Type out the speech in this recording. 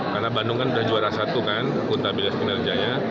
karena bandung kan sudah juara satu kan kota bedas kinerjanya